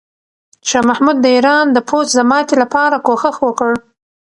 شاه محمود د ایران د پوځ د ماتې لپاره کوښښ وکړ.